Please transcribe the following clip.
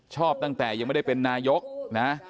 ตั้งแต่ยังไม่ได้เป็นนายกนะ